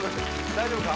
大丈夫か？